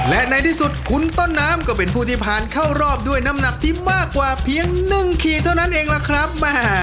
และในที่สุดคุณต้นน้ำก็เป็นผู้ที่ผ่านเข้ารอบด้วยน้ำหนักที่มากกว่าเพียง๑ขีดเท่านั้นเองล่ะครับ